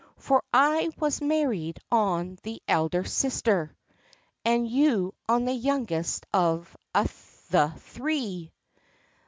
For I was married on the elder sister, And you on the youngest of a' the three."